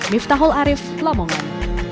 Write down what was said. miftahul arief lamongan